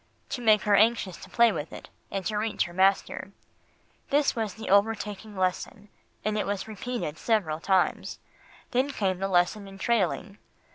"To make her anxious to play with it, and to reach her master. This was the overtaking lesson, and it was repeated several times, then came the lesson in trailing.